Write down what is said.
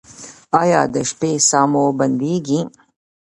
ایا د شپې ساه مو بندیږي؟